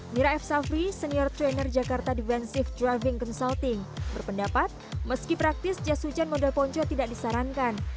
mira f safri senior trainer jakarta defensive driving consulting berpendapat meski praktis jas hujan model ponco tidak disarankan